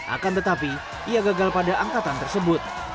akan tetapi ia gagal pada angkatan tersebut